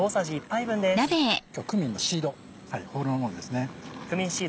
今日クミンのシードホールのものですね。